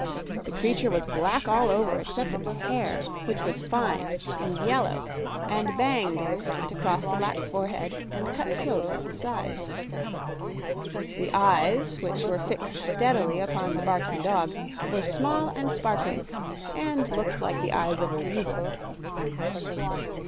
The creature was black all over except its hair, which was fine, and yellow, banged in front across the black forehead and cut close at the sides. The eyes, which were fixed steadily upon the barking dog, were small and sparkling and looked like the eyes of a weasel.